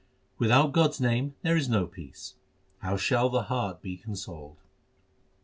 Without God s name there is no peace, how shall the heart be consoled ?